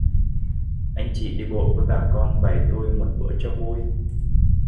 Anh chị đi bộ với bà con bầy tui một bữa cho vui